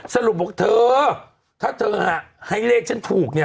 สรุปบอกเธอถ้าเธอให้เลขฉันถูกเนี่ย